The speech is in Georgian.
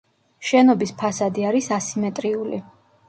შენობის ფასადი არის ასიმეტრიული.